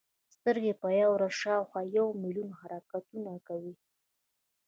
سترګې په یوه ورځ شاوخوا یو ملیون حرکتونه کوي.